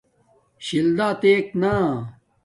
شل دا اتییک نا